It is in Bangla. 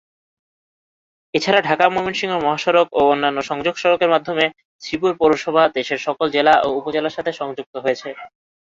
এছাড়া ঢাকা-ময়মনসিংহ মহাসড়ক ও অন্যান্য সংযোগ সড়কের মাধ্যমে শ্রীপুর পৌরসভা দেশের সকল জেলা ও উপজেলার সাথে সংযুক্ত হয়েছে।